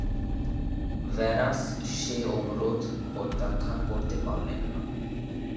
Venous সে অনুরোধ প্রত্যাখ্যান করতে পারলেননা।